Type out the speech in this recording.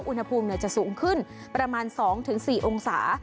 อุณหภูมิจะสูงขึ้นประมาณ๒๔องศา